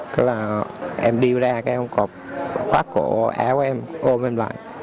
cái là em đi ra cái ông cọp khoát cổ áo em ôm em lại